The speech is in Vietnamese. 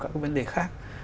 các vấn đề khác